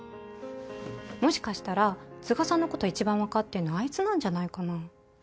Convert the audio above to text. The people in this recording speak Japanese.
もしかしたら都賀さんのこと一番分かってんのあいつなんじゃないかな。